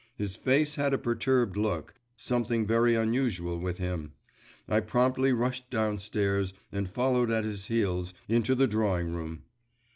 His face had a perturbed look something very unusual with him. I promptly rushed downstairs, and followed at his heels into the drawing room.